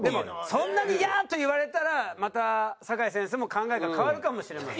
そんなにいやと言われたらまた酒井先生も考えが変わるかもしれません。